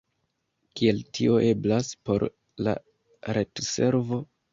Kiel tio eblas, por la retservo?